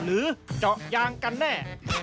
หรือเจาะยางกันแน่